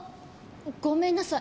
ごめんなさい！